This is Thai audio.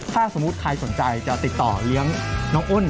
ถ้าสมมุติใครสนใจจะติดต่อเลี้ยงน้องอ้น